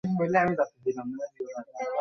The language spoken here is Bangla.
ধ্যাত, ফ্লেয়ার শেষ হয়ে গেছে!